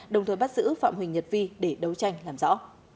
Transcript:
đồng thời bắt giữ phạm huỳnh nhật vi để đấu tranh làm rõ